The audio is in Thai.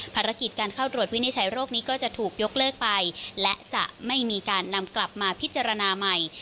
ภารกิจการเข้าตรวจวินิจฉัยโรคนี้ก็จะถูกยกเลิกไปและจะไม่มีการนำกลับมาพิจารณาใหม่